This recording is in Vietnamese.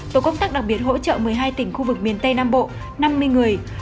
tổ công tác đặc biệt hỗ trợ một mươi hai tỉnh khu vực miền tây nam bộ năm mươi người